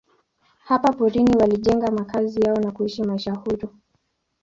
Hapa porini walijenga makazi yao na kuishi maisha huru.